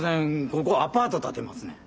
ここアパート建てますねん。